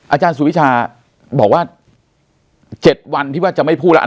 อาจารย์สุวิชาบอกว่า๗วันที่ว่าจะไม่พูดแล้ว